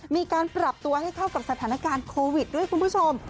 มีการปรับตัวให้เข้ากับสถานการณ์โควิดด้วยคุณผู้ชม